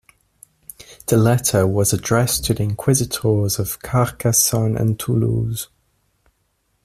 The letter was addressed to the Inquisitors of Carcassonne and Toulouse.